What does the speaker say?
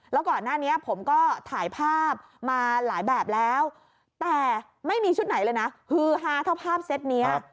แล้วก่อนหน้านี้ผมก็ถ่ายภาพมาหลายแบบแล้วแต่ไม่มีชุดไหนเลยนะฮือฮาเท่าภาพเซ็ตนี้